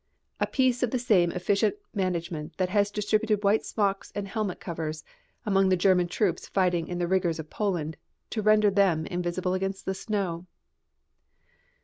A piece of the same efficient management that has distributed white smocks and helmet covers among the German troops fighting in the rigours of Poland, to render them invisible against the snow!